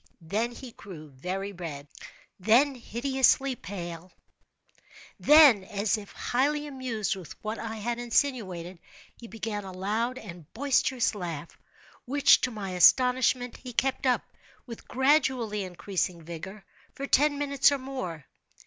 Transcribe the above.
Then he grew very red—then hideously pale—then, as if highly amused with what I had insinuated, he began a loud and boisterous laugh, which, to my astonishment, he kept up, with gradually increasing vigor, for ten minutes or more.